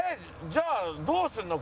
じゃあどうするの？